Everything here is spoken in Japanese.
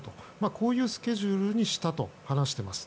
こういうスケジュールにしたと話しています。